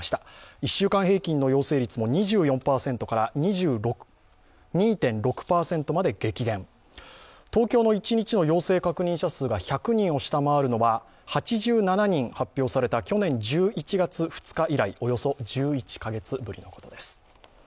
１週間平均の陽性率も２４％から２．６％まで激減東京の一日の陽性確認者数が１００人を下回るのは８７人発表された去年１１月２日以来およそ１１カ月ぶりのことです。